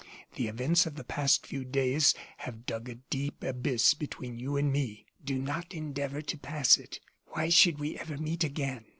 The events of the past few days have dug a deep abyss between you and me. Do not endeavor to pass it. Why should we ever meet again?